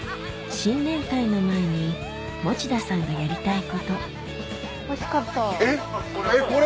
新年会の前に持田さんがやりたいことえっえっこれ？